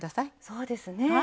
そうですね。